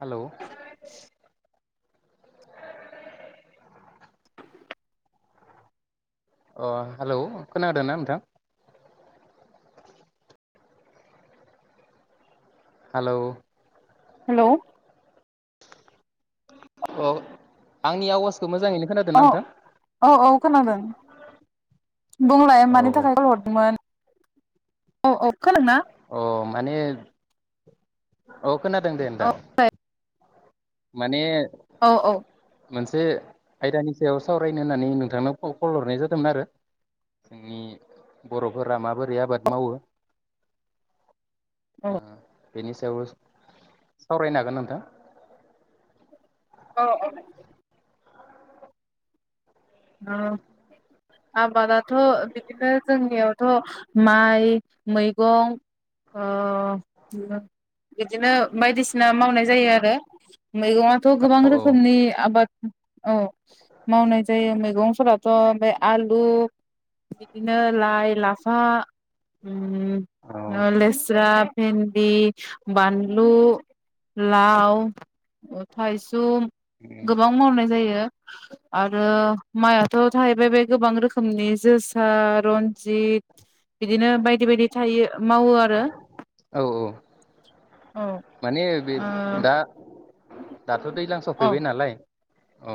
[inaudible] Hello अ hello खोनादों ना नोंथां? हेलौ हेलौ औ आंनि आवास औ औ औ खोनादों। बुंलाय औ मानि थाखाय कल हरदोंमोन। औ औ खोनादों ना? अ माने औ खोनादों दे औ नोंथां। [unintelligible] औ औ। मोनसे आयदानि सायाव सावरायनो होननानै नोंथांनो क-कल हरनाय जादोंमोन आरो जोंनि बर'फोरा माबोरै रै आबाद मावो औ ओ बेनि सायाव सावरायनो हागोनना नोंथां? औ औ। ओ आबादाथ' बिदिनो जोंनियावथ' माइ, मैगं ओ [unintelligible] बिदिनो बायदिसिना मावनाय जायो आरो। मैगंआथ' गोबां औ रोखोमनि आबाद औ मावनाय जायो। मैगंफोराथ' ओमफ्राय आलु बिदिनो लाइ, लाफा, ओम औ लेस्रा, भेन्दि, बानलु, लाव, थाइसुम गोबां मावनाय जायो आरो माइआथ' थाहैबाय बे गोबां रोखोमनि जोसा, रन्जित बिदिनो बायदि बायदि थायो मावो आरो। औ औ माने बे ओ दा दाथ' दै औ फैबाय नालाय औ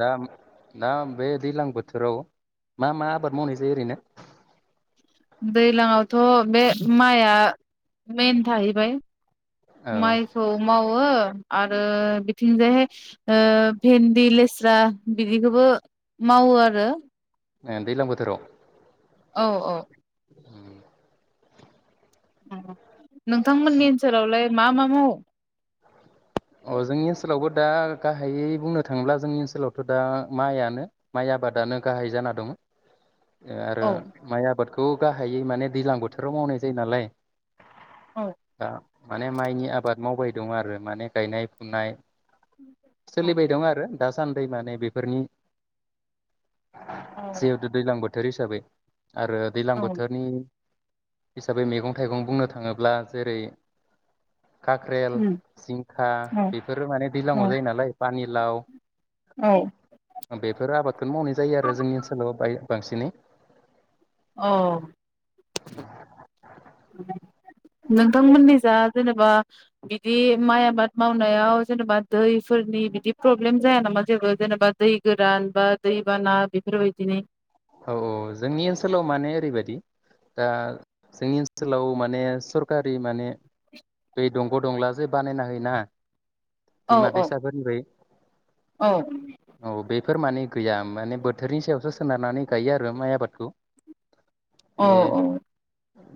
दा दा बे दैज्लां बोथोराव मा मा आबाद मावनाय जायो ओरैनो? दैलांआवथ' बे माइआ मेन थाहैबाय। माइखौ मावो आरो बिथिंजायहाय ओ भेन्दि, लेस्रा बिदिखोबो मावो आरो। ओ दैलां बोथोराव औ औ। [unintelligible] नोंथांमोननि ओनसोलावलाय मा मा मावो? अ जोंनि ओनसोलावबो दा गाहायै बुंनो थाङोब्ला जोंनि ओनसोलावथ' दा माइआनो माइ आबादानो गाहाय जाना दङो। आरो औ माइ आबादखो खौ गाहायै माने दैज्लां बोथोराव मावनाय जायो नालाय औ दा माने माइनि आबाद मावबाय दं आरो माने गायनाय फुनाय औ सोलिबाय दं आरो दासान्दि माने बेफोरनि औ जेहेतु दैज्लां बो बोथोर हिसाबै आरो दैज्लां औ बोथोरनि हिसाबै मैगं थाइगं बुंनो थाङोब्ला जेरै खाक्रेल उम जिं खा औ बेफोर माने औ दैज्लांङाव जायो नालाय पानिलाव औ बेफोरो आबादखौनो मावनाय जायो आरो जोंनि ओनसोलाव बाय बांसिनै [inaudible] औ नोंथांमोननि जा जेनेबा बिदि माइ आबाद मावनायाव जेनेबा दैफोरनि बिदि प्रब्लेम जाया नामा जेबो जेनेबा दै गोरान बा दैबाना बेफोरबायदिनि औ औ जोंनि ओनसोलाव माने ओरैबायाददि दा जोंनि ओनसोलाव माने सरखारि माने दै दंग' दंला जे बानायना होयोना औ दैमा औ दैैसा फोरनिफाय औ औ बेफोर माने गैया माने बोथोरनि सायावसो सोनारनानै गायो आरो माइ आबादखौ बे औ औ।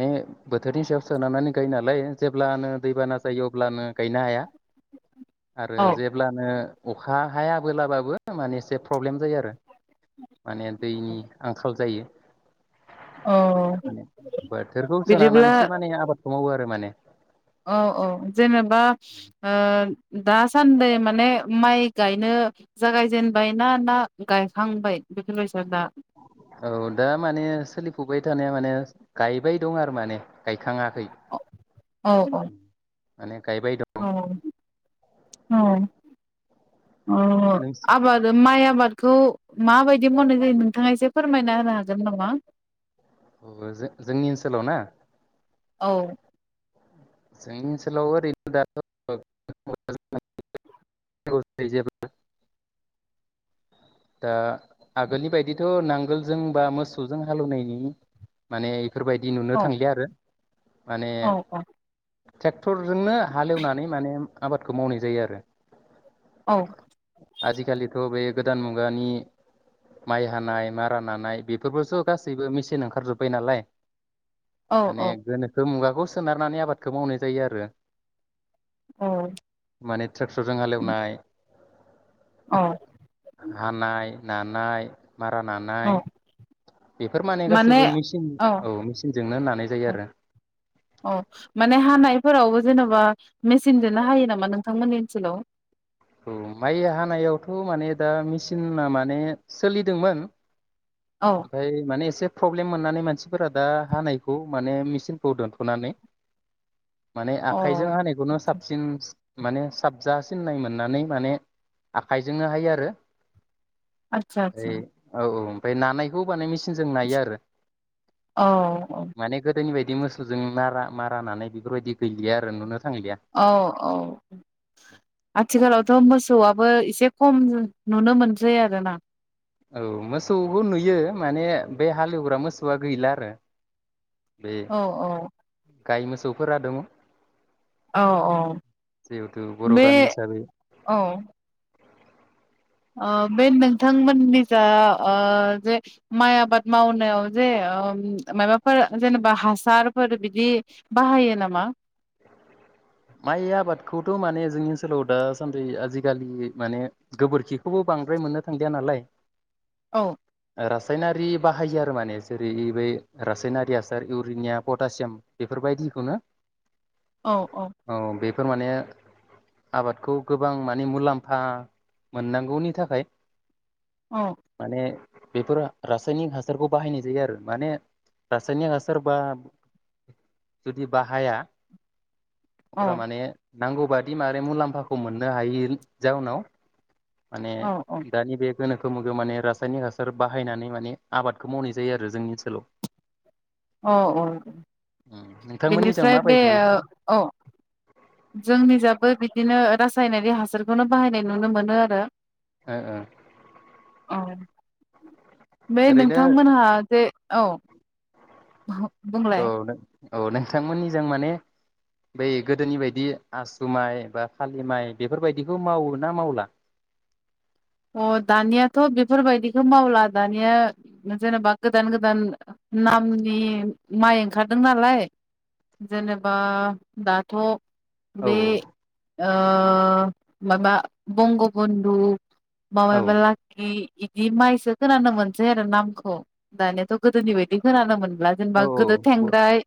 मे बोथोरनि सायावसो सोनारनै गायो नालाय जेब्लानो दैबाना जायो अब्लानो गायनो हाया आरो औ जेब्लानो अखा हायाबोलाबाबो माने एसे प्रब्लेम जायो आरो माने दैनि आंखाल जायो औ माने बोथोरखौ बिदिब्ला सोनारनानैसो माने आबादखौ मावो आरो। माने औ औ जेनेबा दास सान्दै माने माइ गायनो जागायजेनबाय ना ना गायखांबाय बेफोरबायसा दा। औ दा माने सोलिफुबबाय थानाया माने गायबाय दं आरो माने गायखाङाखै औ औ माने गायबाय दं औ। औ। अ नों आबाद माइ आबाद। खौ माबायदि मावनाय जायो नोंथाङा एसे फोरमायना होनो हागोन नामा? जोंनि ओनसोलाव ना औ। जोंनि ओनसोलाव ओरैनो दाथ' [inaudible] दा आगोलनि बायदिथ' नांगोलजों बा मोसौजों हालौवनायनि माने बेफोरबायदि नुनो औ थांलिया आरो माने औ औ ट्रेक्टरजोंनो हालेवनानै माने आबादखौ मावनाय जायो आरो औ। आजि खालिथ' बे गोदान मु मुगानि माइ हानाय मारा नानाय बेफोरबो स' गासैबो मेचिन ओंखारजोबबाय नालाय माने औ गोनोखो मुगा खौ सोनारनानै आबादखौ मावनाय जायो आरो। औ माने ट्रेक्टरजों हालेवनाय औ। हानाय, नानाय मारा नानाय औ बेफोर माने गासैबो मेचिन औ मेचिनजोंनो नानाय जायो औ आरो। औ माने हानायफोरावबो जेन'बा मेचिनजोंनो हायो नामा नोंथांमोननि ओनसोलाव? औ माइ हानायावथ' माने दा मेचिना माने सोलिदोंमोन औ ओमफ्राय माने एसे फ्रब्लेम मोननानै मानसिफोरा दा हानायखौ माने मेचिनखौ दोनथ'नानै माने अ आखाइजों हानायखौनो साबसिन माने साबजा सिननाय मोननानै माने आखाइजोंनो हायो आरो आदसा आदसा ओइ औ औ [unintelligible] [unintelligible] जों नायो आरो औ औ माने गोदोनि बायदि मोसौजों नारा मारा नानाय बेफोरबायदि गैलिया आरो नुनो थांलिया औ औ आथिखालावथ' मोसौआबो एसे खम नु-नुनो मोनसै आरो ना। औ मोसौबो नुयो माने बे हालेवग्रा मोसौआ गैला आरो। बे औ औ। गाय मोसौफोरा दङ औ औ जिहेथु बर' बे गामि हिसाबै औ ओ बे नोंथांमोननि जा ओ जे माइ आबाद मावनायाव जे ओ मायबाफोर जेनेबा हासारफोर बिदि बाहायो नामा? बेखौथ' माने जोंनि ओनसोलाव दासान्दि आजि खालि माने गोबोरखिखौबो बांद्राय मोननो थांलिया नालाय औ। रासायनारि बाहायो आरो माने जेरै बै रासायनारि हासार इउरिनिया, पटासियाम बेफोर बायदिखौनो औ औ। बेफोर माने आबादखौ गोबां मानि मुलाम्फा मोननांगौनि थाखाय औ माने बेफोरो रासायनिक हासारखौ बाहायनाय जायो आरो माने रासायनिक हासार बा जुदि बाहाया औ अफ्रा माने नांगौबादि माबै मुलाम्फाखौ मोननो हायि जाउनाव माने औ औ दानि बे गोनोखो मोगायाव‌ माने रासायनिक हासार बाहायनानै माने आबादखौ मावनाय जायो आरो जोंनि ओनसोलाव। औ औ नोंथांमोननिजों बेनिफ्राय बे माबायदि ए औ। जोंनि जाबो बिदिनो रासायनारि हासारखौनो बाहायनाय नुनो मोनो आरो ओ ओ [inaudible] बे ओरैनो नोंथांमोनहा जे औ औ बुंलाय नों औ नोंथांमोननि जों माने बै अ दानियाथ' बेफोरबायदिखौ मावला दानिया जेनेबा गोदान गोदान नामनि माइ ओंखारदों नालाय जेनेबा दाथ' बे औ औ ओ माबा बंग'बुन्धु। औ मबेबा लाखि। इदि माइसो खोनानो मोनसै आरो नामखौ दानियाथ' गोदोनि बायदि खोनानो मोन जेनबा औ जेनेबा गोदो थेंग्राय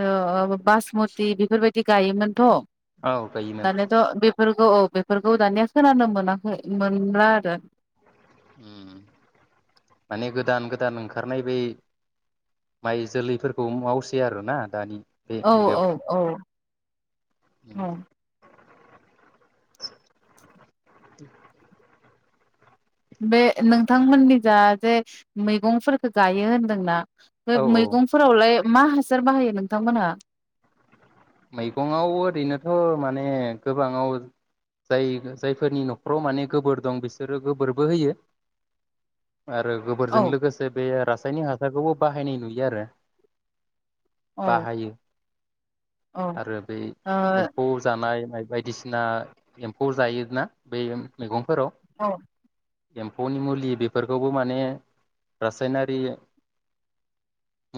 ओ बायस मुति बेफोरबायदि गायोमोनथ'। औ गायोमोन। फोरखौ औ बेफोरखौ दानिया खोनानो मोनाखै। मोनला आरो उम माने गोदान गोदान ओंखारनाय बै माइ जोलै फोरखौ मावसै आरोना दानि बे औ मुगायाव औ औ। औ [inaudible] [inaudible] बे नोंथांमोननि जा जे मैगंफोरफोरखौ गायो होनदोंना। बे औ औ मैगंफोरावलाय। मा हासार बाहायो नोंथांमोनहा? मैगं आव‌ ओरैनोथ' माने गोबांङाव जाय जायफोरनि न'खराव माने गोबोर दं बिसोरो गोबोरबो होयो। आरो औ गोबोरजों लोगोसे बे रासायनिक हास फिसाखौबो बाहायनाय नुयो आरो औ बाहायो। औ ओ आरो बै एम्फौ जानाय बायदिसिना एम्फौ जायोना बै मैगंफोराव । औ एम्फौनि मुलि बेफोरखौबो माने रासायनारि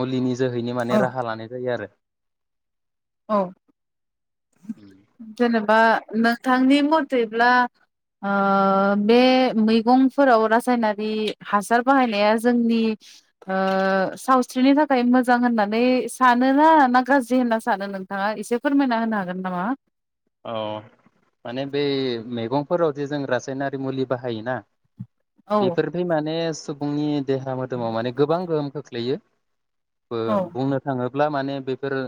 मुलिनि जोहैनो औ माने राहा लानाय जायो आरो ‌। औ जेनेबा नोंथांनि मथेब्ला ओ बे मैगंफोराव रासायनारि हासार बाहायनाया जोंनि ओ सावस्रिनि थाखाय मोजां होननानै सानोना ना गाज्रि होनना स सानो नोंथाङा एसे फोरमायना होनो हागोन नामा? औ माने बै मैगंफोराव जे जों रासायनारि मुलि बाहायोना औ बेफोरबे माने स बुंनि देहा मोदोमाव माने गोबां गोहोम खोख्लैयो । बो औ बुंनो थाङो ब्ला माने बेफोरो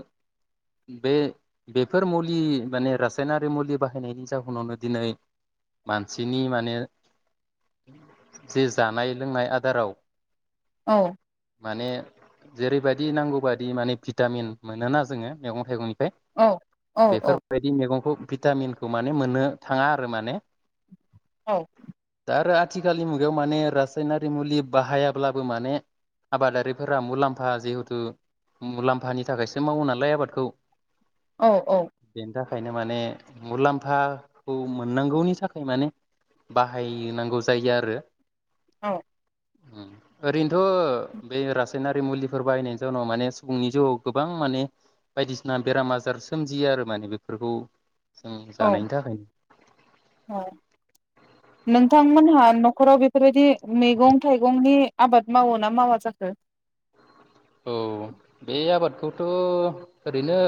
बे-बेफोर मुलि माने रासायनारि मुलि बाहायनायनि जाहोनावनो दिनै मानसिनि माने जे जानाय लोंनाय आदाराव औ माने जेरैबायदि नांगौ बादि माने भिटामिन मोनाना जोङो मैगं थाइगं औ औ औ गंखौ भिटामिनखौ माने मोननो थाङा आरो माने औ दा आरो आथिखालनि मुगायाव माने रासायनारि मुलि बाहायाब्लाबो माने आबादारिफोरा मुलाम्फा जिहेथु मुलाम्फानि थाखायसो मावो नालाय आबादखौ । औ औ थाखायनो माने मुलाम्फाखौ मोननांगौनि थाखाय माने बाहायनांगौ जायो आरो । औ ओम ओरैनोथ' बे रासायनारि मुलिफोर बाहायनायनि जाउनाव माने सुबुंनि जिउआव गोबां माने बायदिसिना बेराम आजार सोमजियो आरो माने बे । फोखौ औ औ नोंथांमोनहा न'खराव बेफोरबायदि मैगं थाइगंनि आबाद मावो ना मावा जाखो? औ बे आबादखौथ' ओरैनो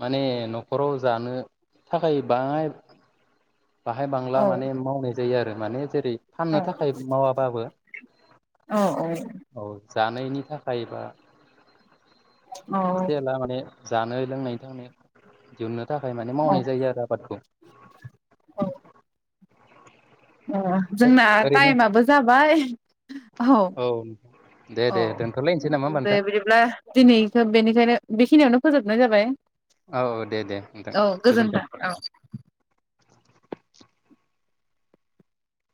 माने न'खराव जानो थाखाय बाङाय बाहाय बांला औ माने मावनाय जायो आरो । माने जेरै फाननो औ थाखाय मावाबाबो औ औ औ जानायनि थाखाय बा औ एसे एला माने जानाय लोंनायनि थांनाय दिहुननो थाखाय माने औ मावनाय जायो आरो आबादखौ । औ अ जोंना ओरैनो टाइमाबो जाबाय ओहौ औ दे औ दे दोनथ'लायनोसै नामा होमबा दे नोंथां बिदिब्ला दिनैखौ बेनिखायनो बेखिनियावनो फोजोब नाय जाबाय औ औ दे दे नोंथां औ गोजोन्थों औ